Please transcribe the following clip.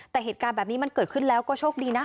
แต่เหตุการณ์แบบนี้มันเกิดขึ้นแล้วก็โชคดีนะ